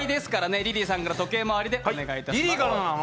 リリーさんから時計回りでお願いします。